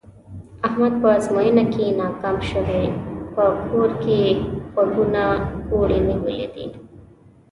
احمد په ازموینه کې ناکام شوی، په کور کې یې غوږونه کوړی نیولي دي.